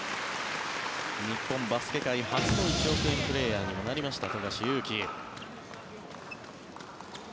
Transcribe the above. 日本バスケ界初の１億円プレーヤーにもなりました富樫勇樹。